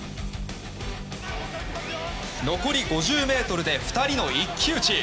残り５０ｍで２人の一騎打ち。